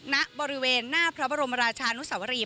ณบริเวณหน้าพระบรมราชานุสวรี